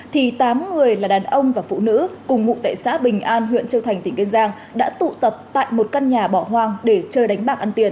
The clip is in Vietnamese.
thì tám người là đàn ông và phụ nữ cùng ngụ tại xã bình an huyện châu thành tỉnh kiên giang đã tụ tập tại một căn nhà bỏ hoang để chơi đánh bạc ăn tiền